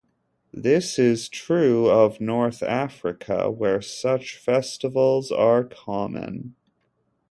This is true of North Africa, where such festivals are common.